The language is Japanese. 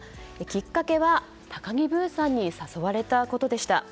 きっかけは、高木ブーさんに誘われたことでした。